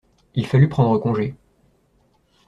Il fallut prendre congé.